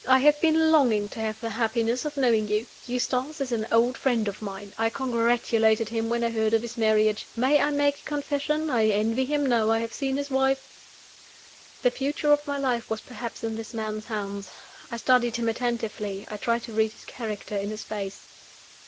I have been longing to have the happiness of knowing you. Eustace is an old friend of mine. I congratulated him when I heard of his marriage. May I make a confession? I envy him now I have seen his wife." The future of my life was perhaps in this man's hands. I studied him attentively: I tried to read his character in his face.